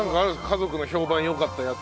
家族の評判良かったやつ。